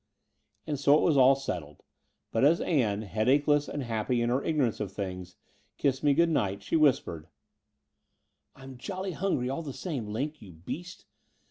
And so it was all settled : but, as Ann, headache less and happy in her ignorance of things, kissed me good night, she whispered: "I'm jolly hungry all the same. Line, you beast.